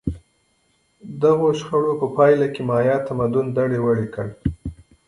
دغو شخړو په پایله کې مایا تمدن دړې وړې کړ